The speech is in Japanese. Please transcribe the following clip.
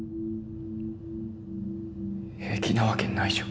平気なわけないじゃん。